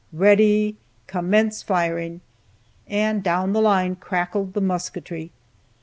Ready! Commence firing!" and down the line crackled the musketry.